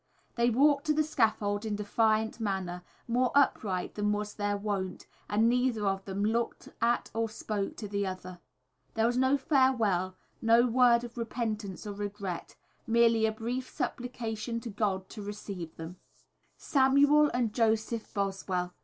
They walked to the scaffold in defiant manner, more upright than was their wont, and neither of them looked at or spoke to the other. There was no farewell, no word of repentance or regret, merely a brief supplication to God to receive them. _Samuel and Joseph Boswell.